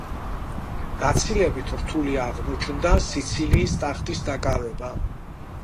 გაცილებით რთული აღმოჩნდა სიცილიის ტახტის დაკავება.